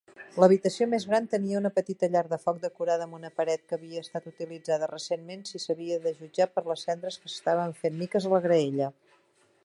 L'habitació més gran tenia una petita llar de foc decorada en una paret que havia estat utilitzada recentment si s'havia de jutjar per les cendres que s'estaven fent miques a la graella.